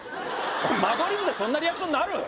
間取り図でそんなリアクションなる？